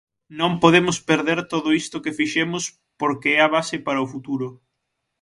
Non podemos perder todo isto que fixemos porque é a base para o futuro.